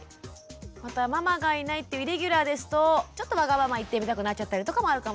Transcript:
またママがいないっていうイレギュラーですとちょっとワガママ言ってみたくなっちゃったりとかもあるかもしれないですもんね。